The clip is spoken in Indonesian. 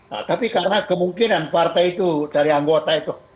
nah tapi karena kemungkinan partai itu dari anggota itu